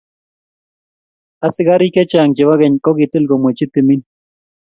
Askariik chechang chebo keny kokitil komwechi timin.